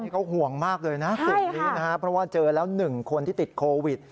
เขาห่วงมากเลยนะกลุ่มนี้นะครับเพราะว่าเจอแล้ว๑คนที่ติดโควิด